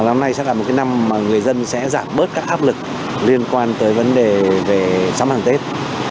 năm nay sẽ là một cái năm mà người dân sẽ giảm bớt các áp lực liên quan tới vấn đề về sắm hàng tết